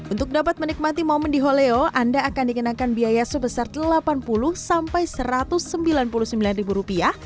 untuk dapat menikmati momen di holeo anda akan dikenakan biaya sebesar delapan puluh sampai satu ratus sembilan puluh sembilan ribu rupiah